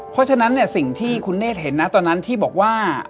เพราะฉะนั้นเนี่ยสิ่งที่คุณเนธเห็นนะตอนนั้นที่บอกว่า